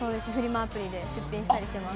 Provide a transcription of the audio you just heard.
アプリで出品したりしてます。